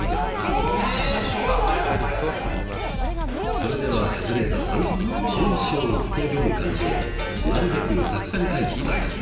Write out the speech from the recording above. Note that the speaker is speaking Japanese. それではカズレーザーさん「コウショウ」と読む漢字をなるべくたくさん書いてください。